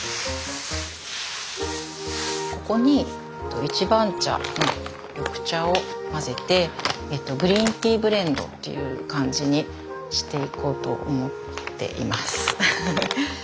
ここに一番茶の緑茶を混ぜてグリーンティーブレンドっていう感じにしていこうと思っています。